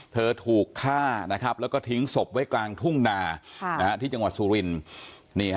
เธอถูกฆ่าแล้วก็ทิ้งศพไว้กลางทุ่งนาที่สุรินทร์